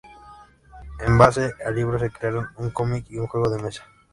En base al libro se crearon un cómic y un juego de mesa.